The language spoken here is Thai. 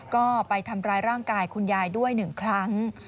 ก็ไปทำร้ายร่างกายคุณยายด้วย๑ครั้ง